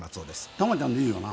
タマちゃんでいいよな？